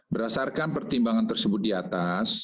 berdasarkan pertimbangan tersebut di atas